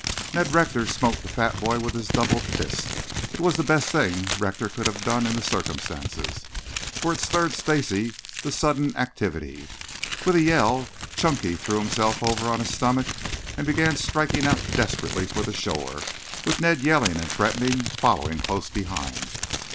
Ned Rector smote the fat boy with his doubled fist. It was the best thing Rector could have done in the circumstances, for it stirred Stacy to sudden activity. With a yell, Chunky threw himself over on his stomach and began striking out desperately for the shore, with Ned, yelling and threatening, following close behind.